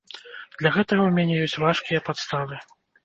Для гэтага ў мяне ёсць важкія падставы.